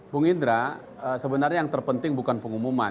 bung indra sebenarnya yang terpenting bukan pengumuman